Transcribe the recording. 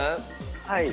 はい。